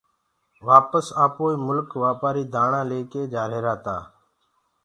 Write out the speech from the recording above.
وآپس آپوئي ملڪ وآپآري دآڻآ ليڪي جآريهرآ تآ